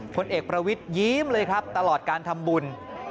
ผลเอกประวิทยิ้มเลยครับตลอดการทำบุญ